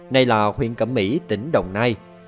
này là huyện cẩm mỹ tỉnh đồng nai